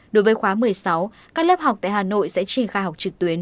đối với khóa một mươi sáu các lớp học tại hà nội sẽ triển khai học trực tuyến